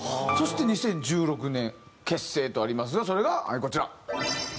そして２０１６年結成とありますがそれがはいこちら。